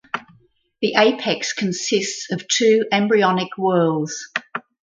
The apex consists of two embryonic whorls.